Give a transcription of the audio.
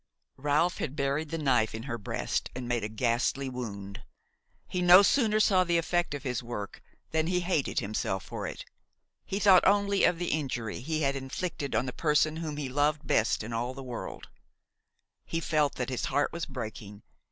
Ralph had buried the knife in her breast and made a ghastly wound. He no sooner saw the effect of his work than he hated himself for it; he thought only of the injury he had inflicted on the person whom he loved best in all the world; he felt that his heart was breaking.